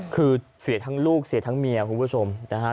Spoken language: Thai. คือเสียทั้งลูกเสียทั้งเมียคุณผู้ชมนะฮะ